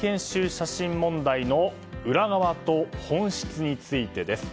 写真問題の裏側と本質についてです。